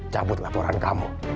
cabut laporan kamu